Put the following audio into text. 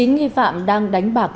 chín nghi phạm đang đánh bạc dưới